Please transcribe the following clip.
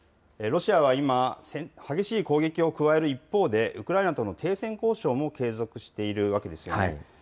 ロシアは今、激しい攻撃を加える一方で、ウクライナとの停戦交渉も継続しているわけですよね。